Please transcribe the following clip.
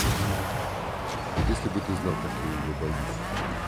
Если б ты знал, как я ее боюсь.